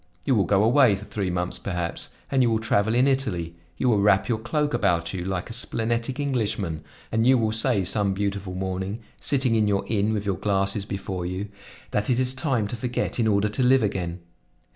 You will go away for three months perhaps, and you will travel in Italy; you will wrap your cloak about you, like a splenetic Englishman, and you will say some beautiful morning, sitting in your inn with your glasses before you, that it is time to forget in order to live again.